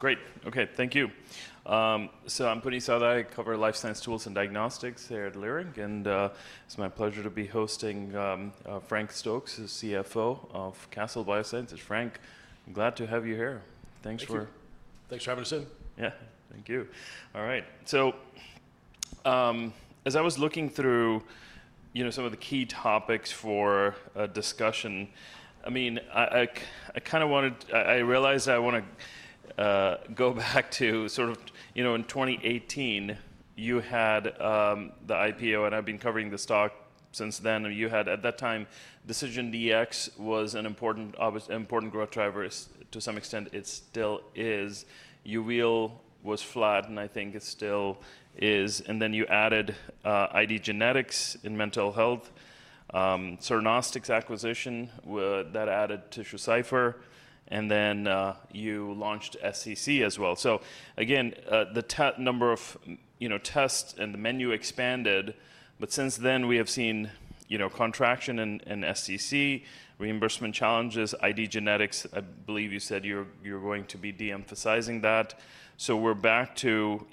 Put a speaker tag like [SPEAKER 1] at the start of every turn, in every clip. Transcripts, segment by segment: [SPEAKER 1] Great. Okay, thank you. I'm Puneet Souda. I cover life science tools and diagnostics here at Leerink Partners, and it's my pleasure to be hosting Frank Stokes, who's CFO of Castle Biosciences. Frank, I'm glad to have you here. Thanks for.
[SPEAKER 2] Thank you. Thanks for having us in.
[SPEAKER 1] Yeah, thank you. All right. As I was looking through some of the key topics for a discussion, I mean, I kind of wanted—I realized I want to go back to sort of, you know, in 2018, you had the IPO, and I've been covering the stock since then. You had, at that time, DecisionDx was an important growth driver. To some extent, it still is. Uveal was flat, and I think it still is. You added IDgenetix in mental health, Cernostics acquisition that added TissueCypher. You launched SCC as well. Again, the number of tests and the menu expanded. Since then, we have seen contraction in SCC, reimbursement challenges, IDgenetix. I believe you said you're going to be de-emphasizing that. We're back to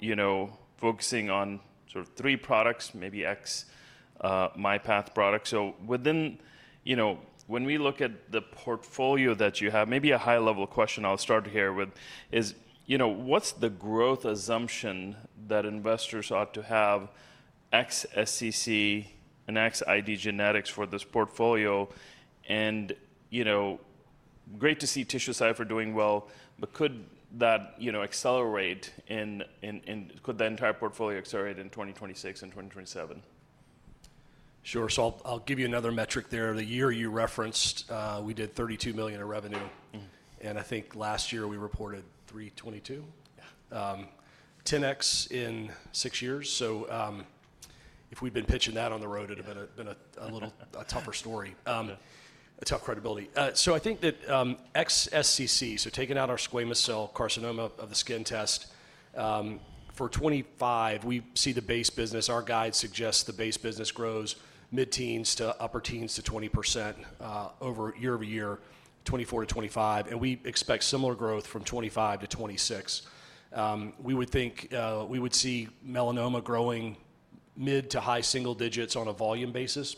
[SPEAKER 1] focusing on sort of three products, maybe ex-MyPath products. When we look at the portfolio that you have, maybe a high-level question I'll start here with is, what's the growth assumption that investors ought to have ex-SCC and ex-IDgenetix for this portfolio? And great to see TissueCypher doing well, but could that accelerate, and could the entire portfolio accelerate in 2026 and 2027?
[SPEAKER 2] Sure. I'll give you another metric there. The year you referenced, we did $32 million in revenue. I think last year we reported $322 million, 10X in six years. If we'd been pitching that on the road, it'd have been a little tougher story, a tough credibility. I think that X SCC, so taking out our squamous cell carcinoma of the skin test, for 2025, we see the base business. Our guide suggests the base business grows mid-teens to upper teens to 20% year over year, 2024 to 2025. We expect similar growth from 2025 to 2026. We would think we would see melanoma growing mid to high single digits on a volume basis.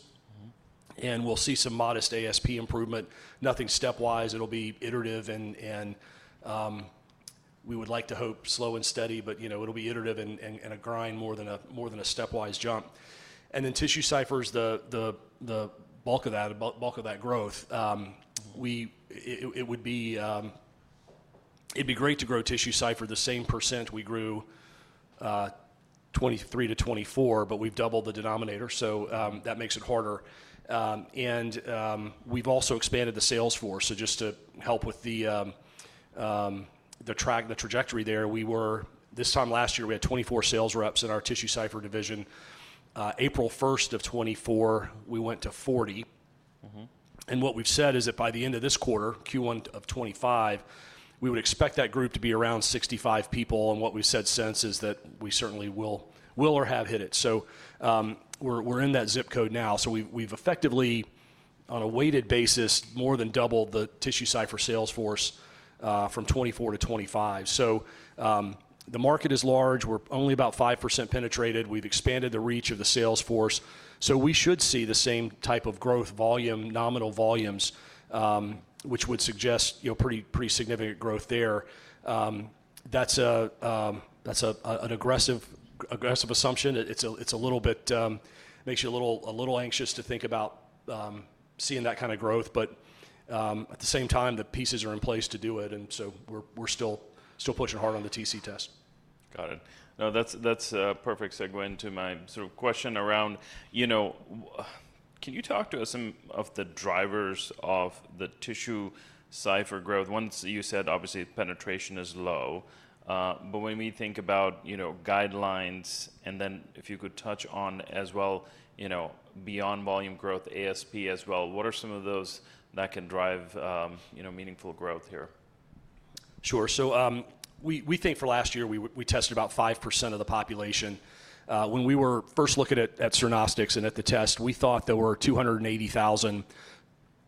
[SPEAKER 2] We'll see some modest ASP improvement. Nothing stepwise. It'll be iterative. We would like to hope slow and steady, but it'll be iterative and a grind more than a stepwise jump. TissueCypher is the bulk of that growth. It would be great to grow TissueCypher the same % we grew 2023 to 2024, but we've doubled the denominator. That makes it harder. We've also expanded the sales force. Just to help with the trajectory there, this time last year, we had 24 sales reps in our TissueCypher division. April 1 of 2024, we went to 40. What we've said is that by the end of this quarter, Q1 of 2025, we would expect that group to be around 65 people. What we've said since is that we certainly will or have hit it. We're in that zip code now. We have effectively, on a weighted basis, more than doubled the TissueCypher sales force from 2024 to 2025. The market is large. We are only about 5% penetrated. We have expanded the reach of the sales force. We should see the same type of growth volume, nominal volumes, which would suggest pretty significant growth there. That is an aggressive assumption. It makes you a little anxious to think about seeing that kind of growth. At the same time, the pieces are in place to do it. We are still pushing hard on the TC test.
[SPEAKER 1] Got it. No, that's a perfect segue into my sort of question around, can you talk to us some of the drivers of the TissueCypher growth? Once you said, obviously, penetration is low. But when we think about guidelines, and then if you could touch on as well, beyond volume growth, ASP as well, what are some of those that can drive meaningful growth here?
[SPEAKER 2] Sure. We think for last year, we tested about 5% of the population. When we were first looking at Cernostics and at the test, we thought there were 280,000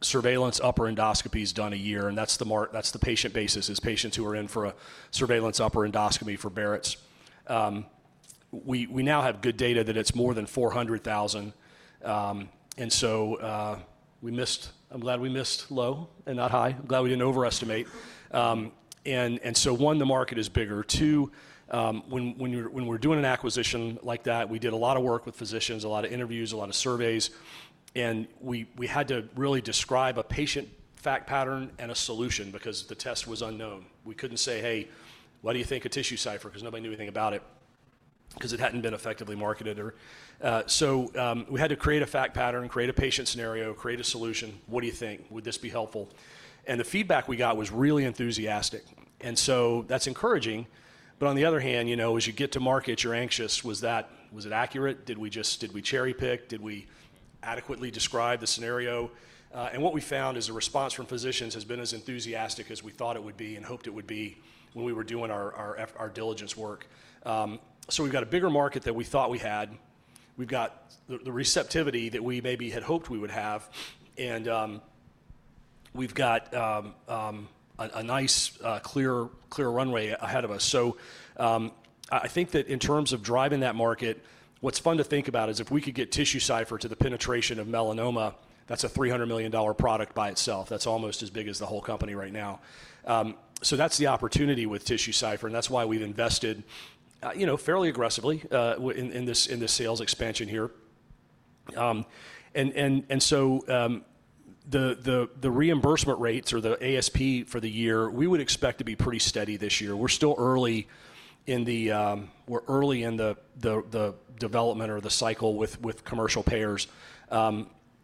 [SPEAKER 2] surveillance upper endoscopies done a year. That patient basis is patients who are in for a surveillance upper endoscopy for Barrett's. We now have good data that it is more than 400,000. I am glad we missed low and not high. I am glad we did not overestimate. The market is bigger. When we are doing an acquisition like that, we did a lot of work with physicians, a lot of interviews, a lot of surveys. We had to really describe a patient fact pattern and a solution because the test was unknown. We could not say, "Hey, why do you think of TissueCypher?" because nobody knew anything about it because it had not been effectively marketed. We had to create a fact pattern, create a patient scenario, create a solution. What do you think? Would this be helpful? The feedback we got was really enthusiastic. That is encouraging. On the other hand, as you get to market, you're anxious, was that accurate? Did we cherry pick? Did we adequately describe the scenario? What we found is the response from physicians has been as enthusiastic as we thought it would be and hoped it would be when we were doing our diligence work. We have a bigger market than we thought we had. We have the receptivity that we maybe had hoped we would have. We have a nice, clear runway ahead of us. I think that in terms of driving that market, what's fun to think about is if we could get TissueCypher to the penetration of melanoma, that's a $300 million product by itself. That's almost as big as the whole company right now. That's the opportunity with TissueCypher. That's why we've invested fairly aggressively in this sales expansion here. The reimbursement rates or the ASP for the year, we would expect to be pretty steady this year. We're still early in the development or the cycle with commercial payers.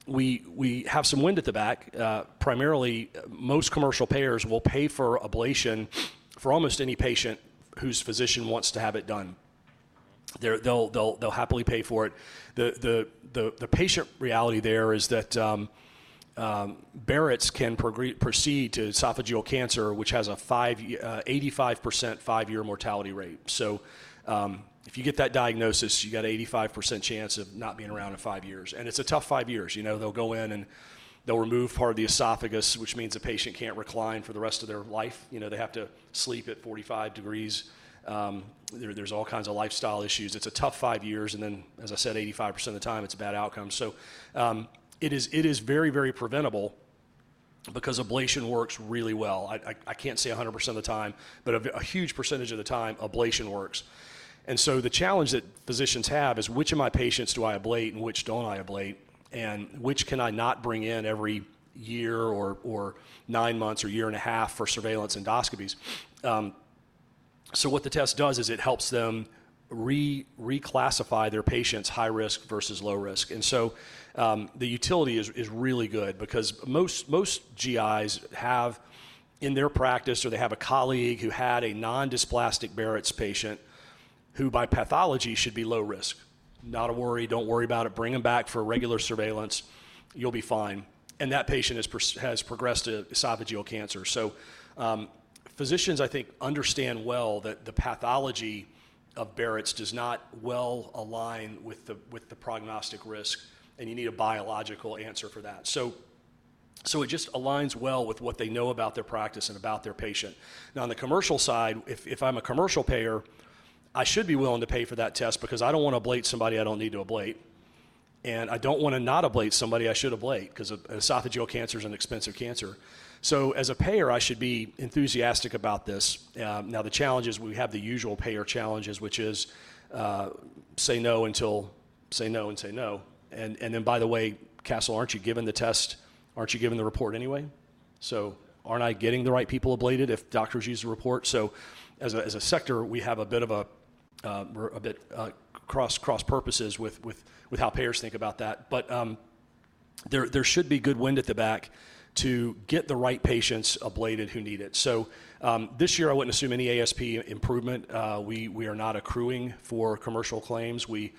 [SPEAKER 2] We have some wind at the back. Primarily, most commercial payers will pay for ablation for almost any patient whose physician wants to have it done. They'll happily pay for it. The patient reality there is that Barrett's can proceed to esophageal cancer, which has an 85% five-year mortality rate. If you get that diagnosis, you got an 85% chance of not being around in five years. It's a tough five years. They'll go in and they'll remove part of the esophagus, which means the patient can't recline for the rest of their life. They have to sleep at 45 degrees. There's all kinds of lifestyle issues. It's a tough five years. As I said, 85% of the time, it's a bad outcome. It is very, very preventable because ablation works really well. I can't say 100% of the time, but a huge percentage of the time, ablation works. The challenge that physicians have is, which of my patients do I ablate and which don't I ablate? Which can I not bring in every year or nine months or year and a half for surveillance endoscopies? What the test does is it helps them reclassify their patients, high risk versus low risk. The utility is really good because most GIs have in their practice, or they have a colleague who had a non-dysplastic Barrett's patient who by pathology should be low risk. Not a worry. Don't worry about it. Bring him back for regular surveillance. You'll be fine. That patient has progressed to esophageal cancer. Physicians, I think, understand well that the pathology of Barrett's does not well align with the prognostic risk, and you need a biological answer for that. It just aligns well with what they know about their practice and about their patient. Now, on the commercial side, if I'm a commercial payer, I should be willing to pay for that test because I don't want to ablate somebody I don't need to ablate. I do not want to not ablate somebody I should ablate because esophageal cancer is an expensive cancer. As a payer, I should be enthusiastic about this. The challenge is we have the usual payer challenges, which is say no until say no and say no. By the way, Castle, are you giving the test? Are you giving the report anyway? Am I getting the right people ablated if doctors use the report? As a sector, we have a bit of a cross purposes with how payers think about that. There should be good wind at the back to get the right patients ablated who need it. This year, I would not assume any ASP improvement. We are not accruing for commercial claims. We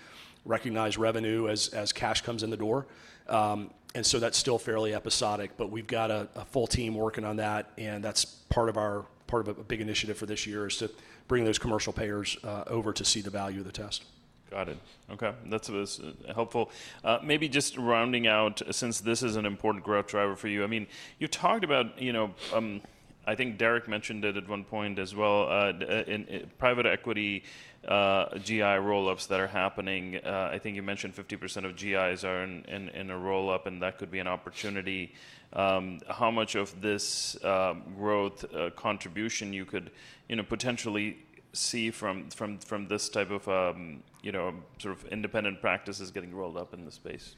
[SPEAKER 2] recognize revenue as cash comes in the door. That is still fairly episodic. We have got a full team working on that. That is part of a big initiative for this year to bring those commercial payers over to see the value of the test.
[SPEAKER 1] Got it. Okay. That's helpful. Maybe just rounding out, since this is an important growth driver for you, I mean, you talked about, I think Derek mentioned it at one point as well, private equity GI roll-ups that are happening. I think you mentioned 50% of GIs are in a roll-up, and that could be an opportunity. How much of this growth contribution you could potentially see from this type of sort of independent practices getting rolled up in the space?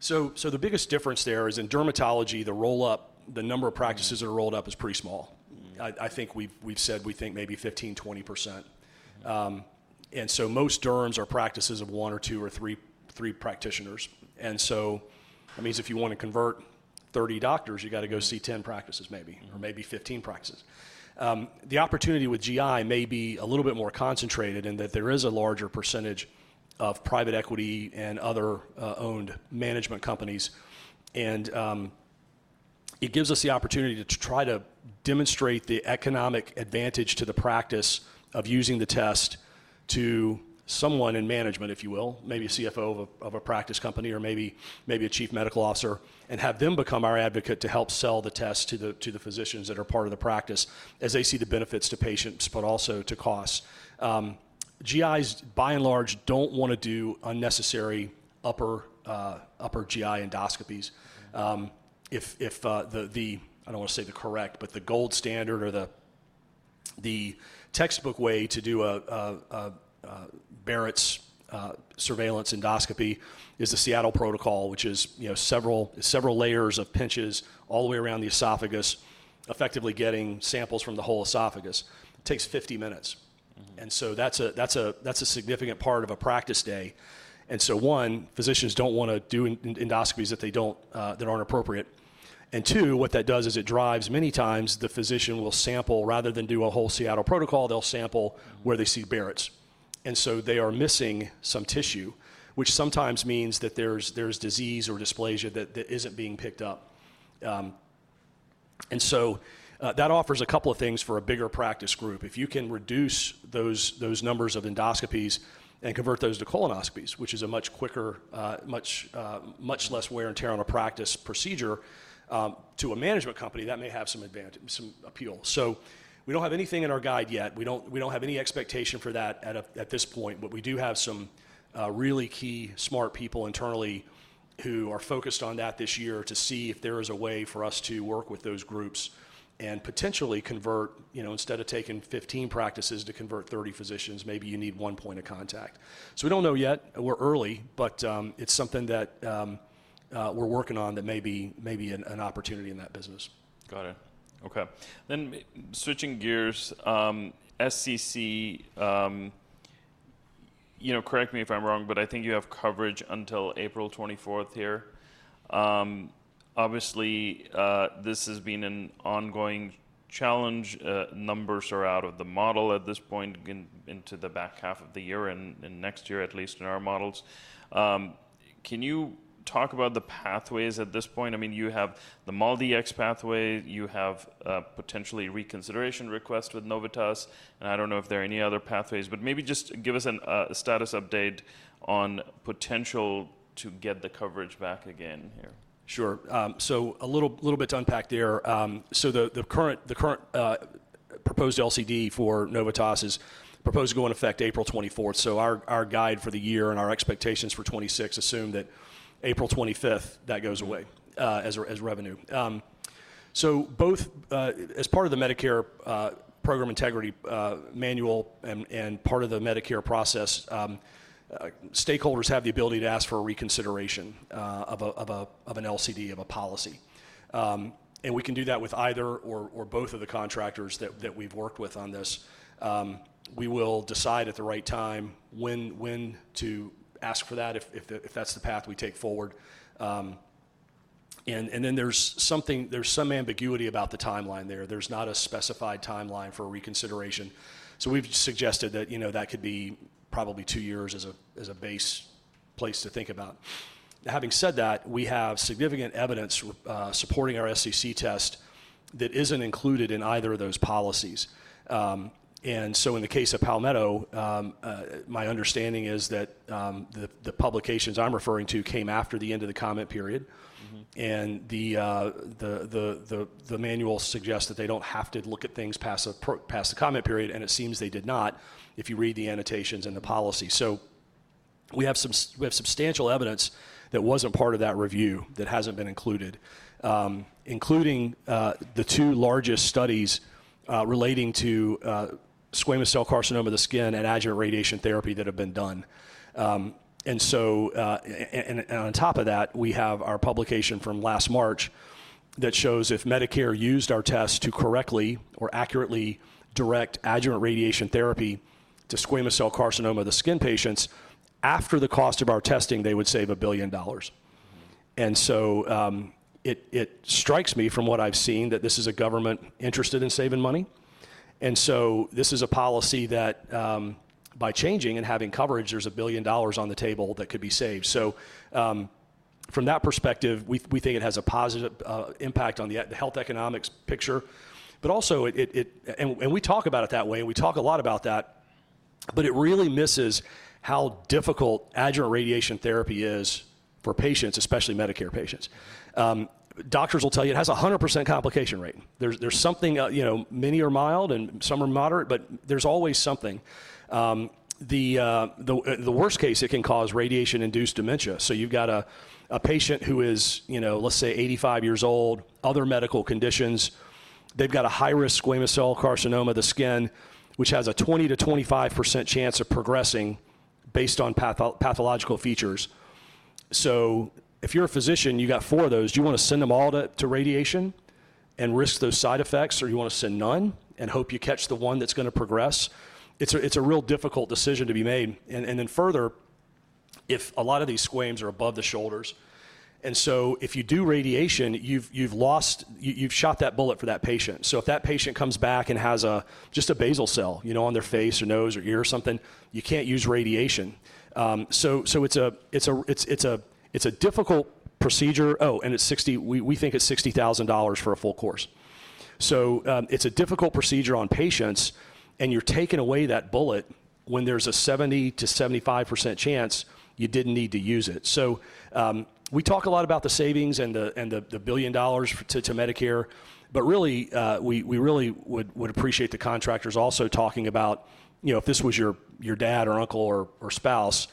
[SPEAKER 2] The biggest difference there is in dermatology, the roll-up, the number of practices that are rolled up is pretty small. I think we've said we think maybe 15-20%. Most derms are practices of one or two or three practitioners. That means if you want to convert 30 doctors, you got to go see 10 practices maybe, or maybe 15 practices. The opportunity with GI may be a little bit more concentrated in that there is a larger percentage of private equity and other owned management companies. It gives us the opportunity to try to demonstrate the economic advantage to the practice of using the test to someone in management, if you will, maybe a CFO of a practice company or maybe a Chief Medical Officer, and have them become our advocate to help sell the test to the physicians that are part of the practice as they see the benefits to patients, but also to costs. GIs, by and large, do not want to do unnecessary upper GI endoscopies. If the, I do not want to say the correct, but the gold standard or the textbook way to do a Barrett's surveillance endoscopy is the Seattle protocol, which is several layers of pinches all the way around the esophagus, effectively getting samples from the whole esophagus. It takes 50 minutes. That is a significant part of a practice day. Physicians do not want to do endoscopies that are not appropriate. What that does is it drives, many times, the physician will sample rather than do a whole Seattle protocol. They will sample where they see Barrett's, and so they are missing some tissue, which sometimes means that there is disease or dysplasia that is not being picked up. That offers a couple of things for a bigger practice group. If you can reduce those numbers of endoscopies and convert those to colonoscopies, which is a much quicker, much less wear and tear on a practice procedure to a management company, that may have some appeal. We do not have anything in our guide yet. We do not have any expectation for that at this point. We do have some really key smart people internally who are focused on that this year to see if there is a way for us to work with those groups and potentially convert, instead of taking 15 practices to convert 30 physicians, maybe you need one point of contact. We do not know yet. We are early, but it is something that we are working on that may be an opportunity in that business.
[SPEAKER 1] Got it. Okay. Switching gears, SCC, correct me if I'm wrong, but I think you have coverage until April 24 here. Obviously, this has been an ongoing challenge. Numbers are out of the model at this point into the back half of the year and next year, at least in our models. Can you talk about the pathways at this point? I mean, you have the MolDX pathway. You have potentially reconsideration requests with Novitas. I don't know if there are any other pathways, but maybe just give us a status update on potential to get the coverage back again here.
[SPEAKER 2] Sure. A little bit to unpack there. The current proposed LCD for Novitas is proposed to go in effect April 24th. Our guide for the year and our expectations for 2026 assume that April 25th, that goes away as revenue. As part of the Medicare Program Integrity Manual and part of the Medicare process, stakeholders have the ability to ask for a reconsideration of an LCD of a policy. We can do that with either or both of the contractors that we've worked with on this. We will decide at the right time when to ask for that if that's the path we take forward. There is some ambiguity about the timeline there. There is not a specified timeline for reconsideration. We've suggested that could be probably two years as a base place to think about. Having said that, we have significant evidence supporting our SCC test that isn't included in either of those policies. In the case of Palmetto, my understanding is that the publications I'm referring to came after the end of the comment period. The manual suggests that they don't have to look at things past the comment period. It seems they did not if you read the annotations and the policy. We have substantial evidence that wasn't part of that review that hasn't been included, including the two largest studies relating to squamous cell carcinoma of the skin and adjuvant radiation therapy that have been done. On top of that, we have our publication from last March that shows if Medicare used our test to correctly or accurately direct adjuvant radiation therapy to squamous cell carcinoma of the skin patients, after the cost of our testing, they would save $1 billion. It strikes me from what I've seen that this is a government interested in saving money. This is a policy that by changing and having coverage, there's $1 billion on the table that could be saved. From that perspective, we think it has a positive impact on the health economics picture. Also, we talk about it that way, and we talk a lot about that, but it really misses how difficult adjuvant radiation therapy is for patients, especially Medicare patients. Doctors will tell you it has a 100% complication rate. There's something, many are mild and some are moderate, but there's always something. The worst case, it can cause radiation-induced dementia. You've got a patient who is, let's say, 85 years old, other medical conditions. They've got a high-risk squamous cell carcinoma of the skin, which has a 20-25% chance of progressing based on pathological features. If you're a physician, you got four of those. Do you want to send them all to radiation and risk those side effects, or you want to send none and hope you catch the one that's going to progress? It's a real difficult decision to be made. Further, a lot of these squames are above the shoulders. If you do radiation, you've shot that bullet for that patient. If that patient comes back and has just a basal cell on their face or nose or ear or something, you can't use radiation. It's a difficult procedure. Oh, and we think it's $60,000 for a full course. It's a difficult procedure on patients, and you're taking away that bullet when there's a 70-75% chance you didn't need to use it. We talk a lot about the savings and the billion dollars to Medicare, but really, we really would appreciate the contractors also talking about if this was your dad or uncle or spouse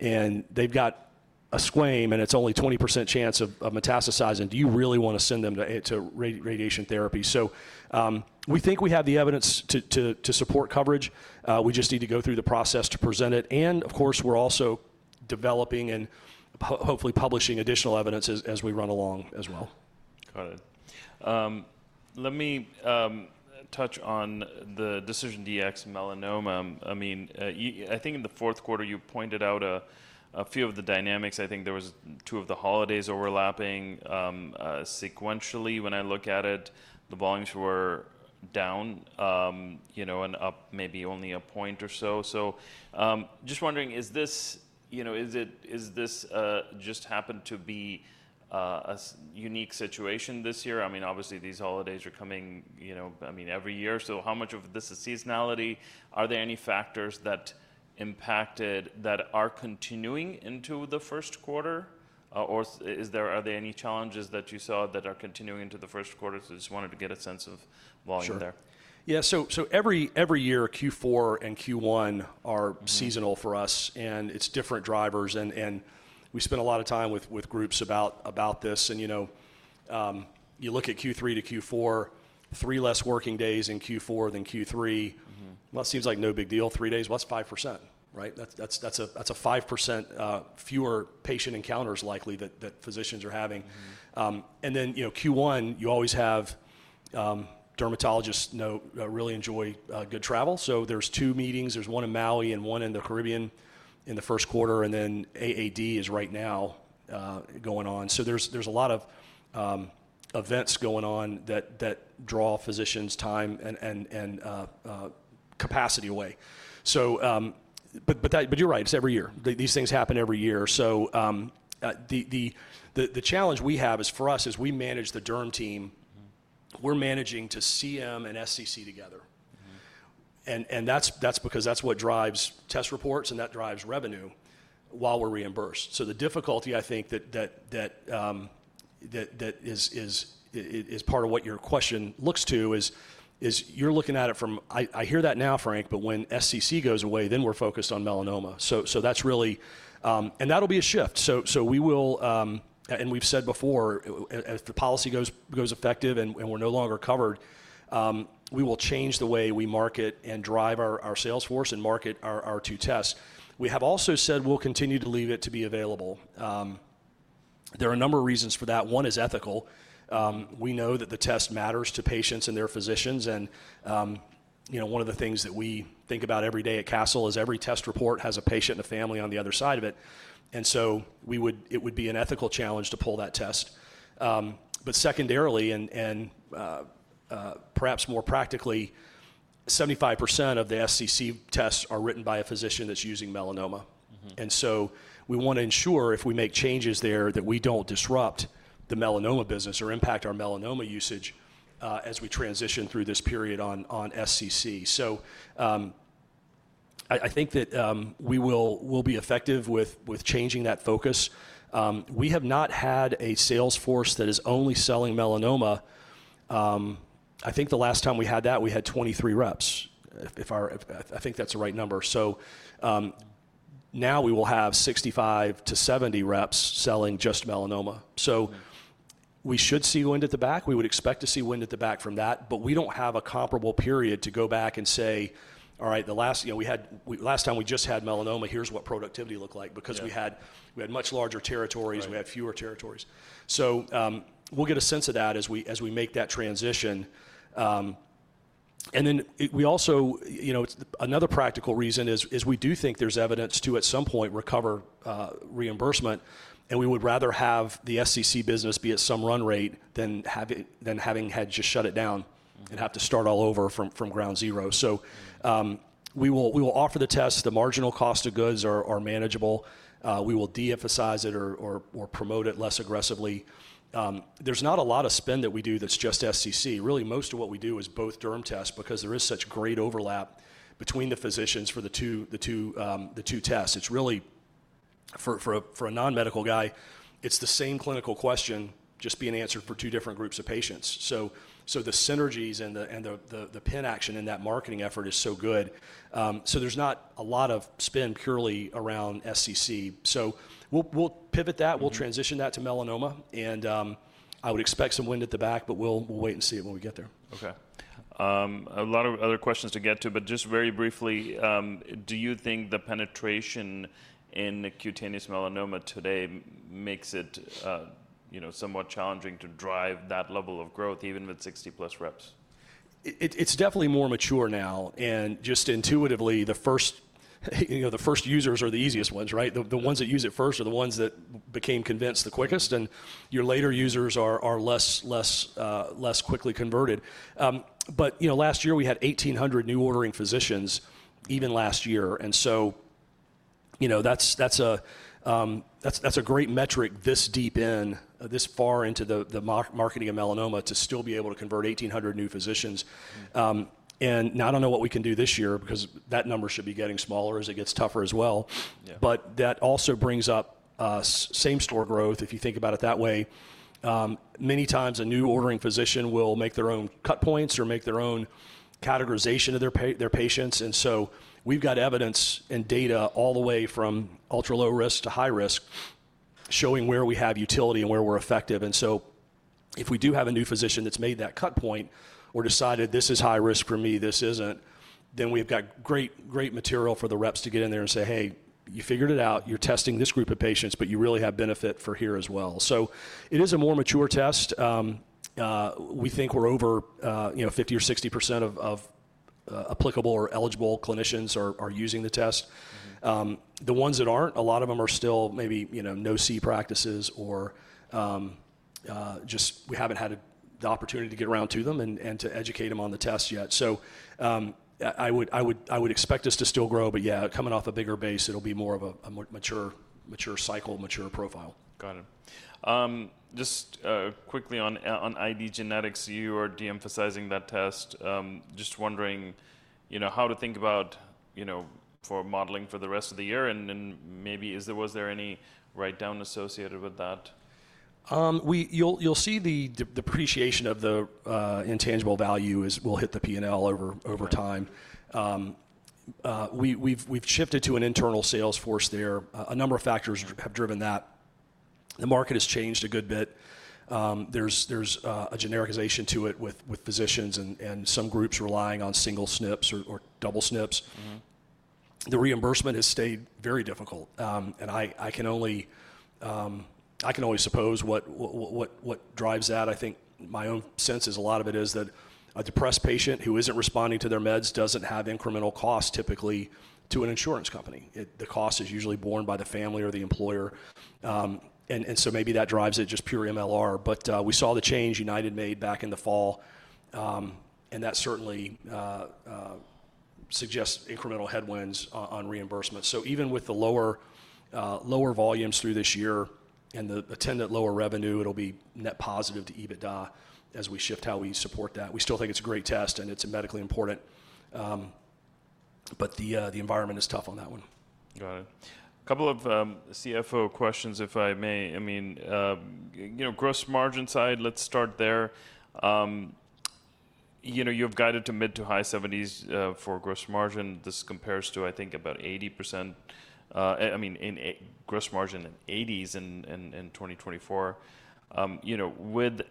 [SPEAKER 2] and they've got a squame and it's only 20% chance of metastasizing, do you really want to send them to radiation therapy? We think we have the evidence to support coverage. We just need to go through the process to present it. Of course, we're also developing and hopefully publishing additional evidence as we run along as well.
[SPEAKER 1] Got it. Let me touch on the DecisionDx-Melanoma. I mean, I think in the fourth quarter, you pointed out a few of the dynamics. I think there were two of the holidays overlapping sequentially. When I look at it, the volumes were down and up maybe only a point or so. Just wondering, is this just happened to be a unique situation this year? I mean, obviously, these holidays are coming, I mean, every year. How much of this is seasonality? Are there any factors that impacted that are continuing into the first quarter? Are there any challenges that you saw that are continuing into the first quarter? I just wanted to get a sense of volume there.
[SPEAKER 2] Sure. Yeah. Every year, Q4 and Q1 are seasonal for us, and it's different drivers. We spent a lot of time with groups about this. You look at Q3 to Q4, three less working days in Q4 than Q3. It seems like no big deal. Three days, that's 5%, right? That's 5% fewer patient encounters likely that physicians are having. In Q1, you always have dermatologists really enjoy good travel. There are two meetings. There's one in Maui and one in the Caribbean in the first quarter. AAD is right now going on. There are a lot of events going on that draw physicians' time and capacity away. You're right. It's every year. These things happen every year. The challenge we have is for us, as we manage the derm team, we're managing to CM and SCC together. That is because that is what drives test reports, and that drives revenue while we are reimbursed. The difficulty, I think, that is part of what your question looks to is you are looking at it from, I hear that now, Frank, but when SCC goes away, then we are focused on melanoma. That is really, and that will be a shift. We have said before, if the policy goes effective and we are no longer covered, we will change the way we market and drive our salesforce and market our two tests. We have also said we will continue to leave it to be available. There are a number of reasons for that. One is ethical. We know that the test matters to patients and their physicians. One of the things that we think about every day at Castle is every test report has a patient and a family on the other side of it. It would be an ethical challenge to pull that test. Secondarily, and perhaps more practically, 75% of the SCC tests are written by a physician that's using melanoma. We want to ensure if we make changes there that we don't disrupt the melanoma business or impact our melanoma usage as we transition through this period on SCC. I think that we will be effective with changing that focus. We have not had a salesforce that is only selling melanoma. I think the last time we had that, we had 23 reps, if I think that's the right number. Now we will have 65-70 reps selling just melanoma. We should see wind at the back. We would expect to see wind at the back from that. We do not have a comparable period to go back and say, "All right, the last time we just had melanoma, here's what productivity looked like," because we had much larger territories. We had fewer territories. We will get a sense of that as we make that transition. We also, another practical reason is we do think there is evidence to at some point recover reimbursement. We would rather have the SCC business be at some run rate than having had to just shut it down and have to start all over from ground zero. We will offer the tests. The marginal cost of goods are manageable. We will de-emphasize it or promote it less aggressively. There is not a lot of spend that we do that is just SCC. Really, most of what we do is both derm tests because there is such great overlap between the physicians for the two tests. It's really, for a non-medical guy, it's the same clinical question just being answered for two different groups of patients. The synergies and the pin action in that marketing effort is so good. There's not a lot of spend purely around SCC. We'll pivot that. We'll transition that to melanoma. I would expect some wind at the back, but we'll wait and see it when we get there.
[SPEAKER 1] Okay. A lot of other questions to get to, but just very briefly, do you think the penetration in cutaneous melanoma today makes it somewhat challenging to drive that level of growth even with 60-plus reps?
[SPEAKER 2] It's definitely more mature now. Just intuitively, the first users are the easiest ones, right? The ones that use it first are the ones that became convinced the quickest. Your later users are less quickly converted. Last year, we had 1,800 new ordering physicians even last year. That's a great metric this deep in, this far into the marketing of melanoma to still be able to convert 1,800 new physicians. Now I don't know what we can do this year because that number should be getting smaller as it gets tougher as well. That also brings up same-store growth if you think about it that way. Many times, a new ordering physician will make their own cut points or make their own categorization of their patients. We have evidence and data all the way from ultra-low risk to high risk showing where we have utility and where we're effective. If we do have a new physician that's made that cut point or decided, "This is high risk for me. This isn't," then we've got great material for the reps to get in there and say, "Hey, you figured it out. You're testing this group of patients, but you really have benefit for here as well." It is a more mature test. We think we're over 50-60% of applicable or eligible clinicians are using the test. The ones that aren't, a lot of them are still maybe no-see practices or just we haven't had the opportunity to get around to them and to educate them on the test yet. I would expect us to still grow, but yeah, coming off a bigger base, it'll be more of a mature cycle, mature profile.
[SPEAKER 1] Got it. Just quickly on IDgenetix, you are de-emphasizing that test. Just wondering how to think about for modeling for the rest of the year. Maybe was there any write-down associated with that?
[SPEAKER 2] You'll see the depreciation of the intangible value will hit the P&L over time. We've shifted to an internal salesforce there. A number of factors have driven that. The market has changed a good bit. There's a genericization to it with physicians and some groups relying on single SNPs or double SNPs. The reimbursement has stayed very difficult. I can only suppose what drives that. I think my own sense is a lot of it is that a depressed patient who isn't responding to their meds doesn't have incremental costs typically to an insurance company. The cost is usually borne by the family or the employer. Maybe that drives it just pure MLR. We saw the change United made back in the fall. That certainly suggests incremental headwinds on reimbursement. Even with the lower volumes through this year and the attendant lower revenue, it'll be net positive to EBITDA as we shift how we support that. We still think it's a great test, and it's medically important. The environment is tough on that one.
[SPEAKER 1] Got it. A couple of CFO questions, if I may. I mean, gross margin side, let's start there. You have guided to mid to high 70s for gross margin. This compares to, I think, about 80%, I mean, gross margin in 80s in 2024. With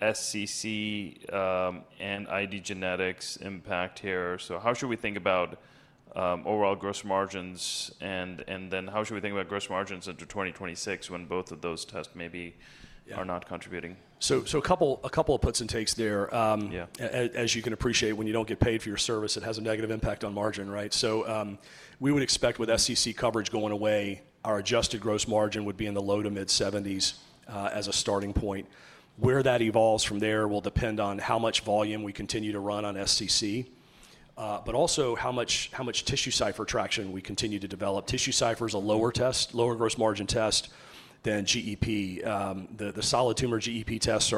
[SPEAKER 1] SCC and IDgenetix impact here, so how should we think about overall gross margins? I mean, how should we think about gross margins into 2026 when both of those tests maybe are not contributing?
[SPEAKER 2] A couple of puts and takes there. As you can appreciate, when you don't get paid for your service, it has a negative impact on margin, right? We would expect with SCC coverage going away, our adjusted gross margin would be in the low to mid 70s as a starting point. Where that evolves from there will depend on how much volume we continue to run on SCC, but also how much TissueCypher traction we continue to develop. TissueCypher is a lower gross margin test than GEP. The solid tumor GEP tests,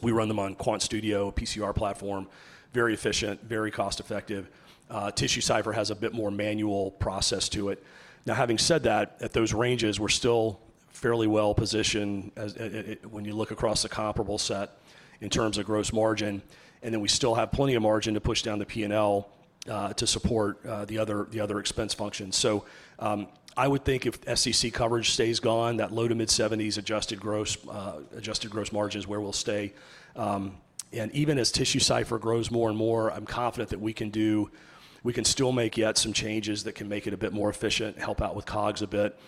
[SPEAKER 2] we run them on QuantStudio, PCR platform, very efficient, very cost-effective. TissueCypher has a bit more manual process to it. Now, having said that, at those ranges, we're still fairly well positioned when you look across the comparable set in terms of gross margin. We still have plenty of margin to push down the P&L to support the other expense functions. I would think if SCC coverage stays gone, that low to mid 70% adjusted gross margin is where we'll stay. Even as TissueCypher grows more and more, I'm confident that we can still make yet some changes that can make it a bit more efficient, help out with COGS a bit.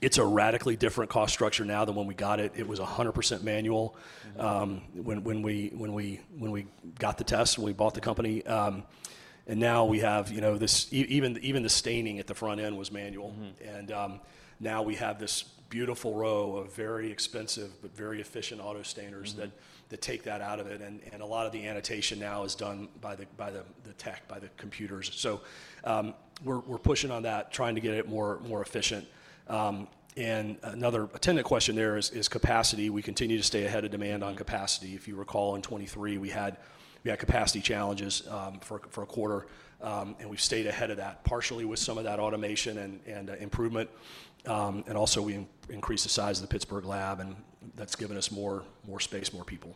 [SPEAKER 2] It's a radically different cost structure now than when we got it. It was 100% manual when we got the test and we bought the company. Now we have even the staining at the front end was manual. Now we have this beautiful row of very expensive but very efficient auto stainers that take that out of it. A lot of the annotation now is done by the tech, by the computers. We're pushing on that, trying to get it more efficient. Another attendant question there is capacity. We continue to stay ahead of demand on capacity. If you recall, in 2023, we had capacity challenges for a quarter. We've stayed ahead of that partially with some of that automation and improvement. Also, we increased the size of the Pittsburgh lab, and that's given us more space, more people.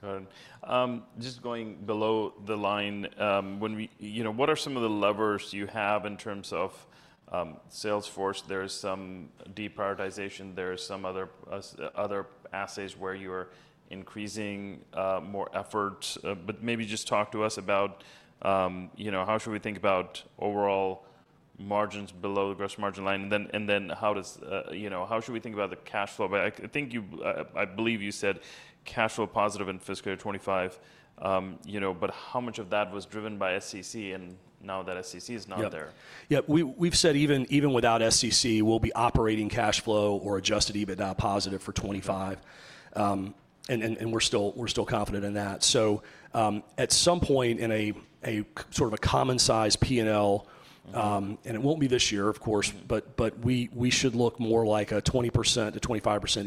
[SPEAKER 1] Got it. Just going below the line, what are some of the levers you have in terms of salesforce? There's some deprioritization. There's some other assays where you are increasing more efforts. Maybe just talk to us about how should we think about overall margins below the gross margin line? How should we think about the cash flow? I believe you said cash flow positive in fiscal year 2025. How much of that was driven by SCC and now that SCC is not there?
[SPEAKER 2] Yeah. We've said even without SCC, we'll be operating cash flow or adjusted EBITDA positive for 2025. We're still confident in that. At some point in a sort of a common-sized P&L, and it will not be this year, of course, but we should look more like a 20%-25%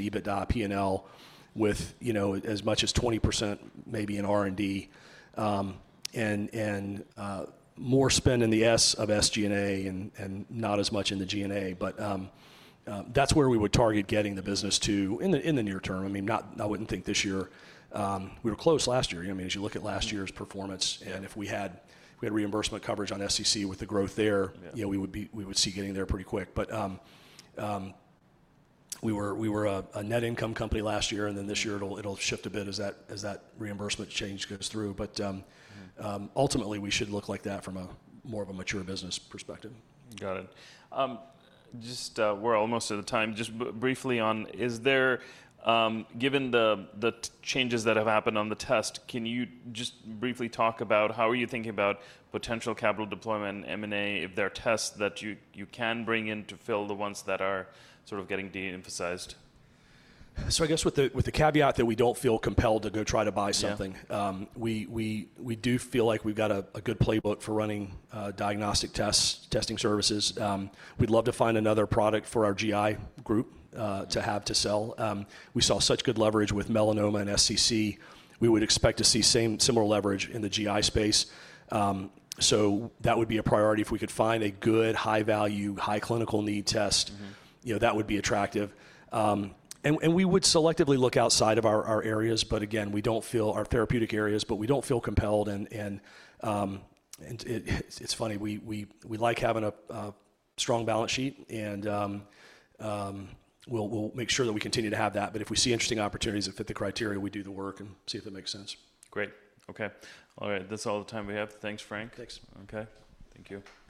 [SPEAKER 2] EBITDA P&L with as much as 20% maybe in R&D and more spend in the S of SG&A and not as much in the G&A. That is where we would target getting the business to in the near term. I mean, I would not think this year. We were close last year. I mean, as you look at last year's performance, and if we had reimbursement coverage on SCC with the growth there, we would see getting there pretty quick. We were a net income company last year, and then this year it'll shift a bit as that reimbursement change goes through. Ultimately, we should look like that from more of a mature business perspective.
[SPEAKER 1] Got it. Just we're almost at the time. Just briefly on, given the changes that have happened on the test, can you just briefly talk about how are you thinking about potential capital deployment and M&A, if there are tests that you can bring in to fill the ones that are sort of getting de-emphasized?
[SPEAKER 2] I guess with the caveat that we don't feel compelled to go try to buy something. We do feel like we've got a good playbook for running diagnostic testing services. We'd love to find another product for our GI group to have to sell. We saw such good leverage with melanoma and SCC. We would expect to see similar leverage in the GI space. That would be a priority. If we could find a good, high-value, high-clinical need test, that would be attractive. We would selectively look outside of our areas, but again, we don't feel our therapeutic areas, but we don't feel compelled. It's funny. We like having a strong balance sheet, and we'll make sure that we continue to have that. If we see interesting opportunities that fit the criteria, we do the work and see if it makes sense.
[SPEAKER 1] Great. Okay. All right. That's all the time we have. Thanks, Frank.
[SPEAKER 2] Thanks.
[SPEAKER 1] Okay. Thank you.